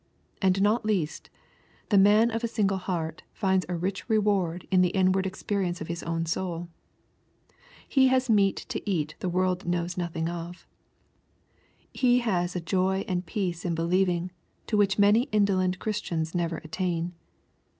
And not least, the man of a single heart finds a rich reward in the inward experience of his own soul. He has meat to eat the world knows not of. He has a joy and peace in believing to which many indolent Chris tians never attain.